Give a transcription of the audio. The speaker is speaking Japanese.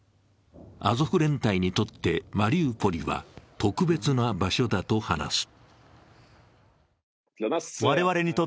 アゾフ連隊にとってマリウポリは、特別な場所だと話す。